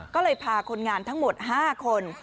ก็เลยพาคนงานทั้งหมด๕คน